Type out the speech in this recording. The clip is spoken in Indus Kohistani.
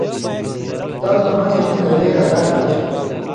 تل نہ مڅھہۡ ہِن لېوے اگار لا چھا۔